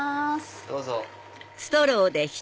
どうぞ。